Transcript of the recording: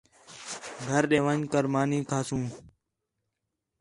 گھر ݙے ون٘ڄ کر مانی کھاسوں